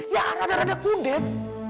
ya kan agak agak kudet